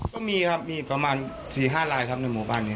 ก็มีครับมีประมาณ๔๕ลายครับในหมู่บ้านนี้